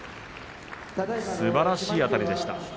すばらしいあたりでした。